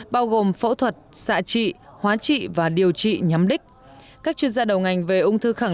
bao gồm phẫu thuật xạ trị hóa trị và điều trị nhắm đích các chuyên gia đầu ngành về ung thư khẳng